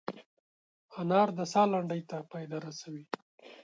انار د ساه لنډۍ ته فایده رسوي.